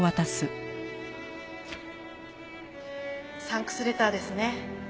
サンクスレターですね。